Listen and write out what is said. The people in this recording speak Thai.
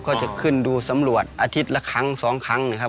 ก็จะขึ้นดูสำรวจอาทิตย์ละครั้งสองครั้งนะครับ